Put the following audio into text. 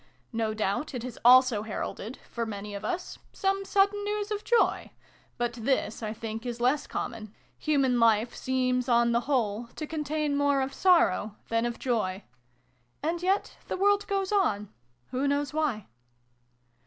No doubt it has also heralded for many of us some sudden news of joy ; but this, I think, is less common : I] BRUNO'S LESSONS. 19 human life seems, on the whole, to contain more of sorrow than of joy. And yet the world goes on. Who knows why